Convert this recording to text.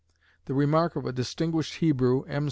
The remark of a distinguished Hebrew, M.